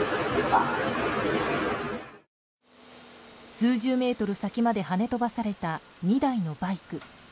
数十メートル先まではね飛ばされた２台のバイク。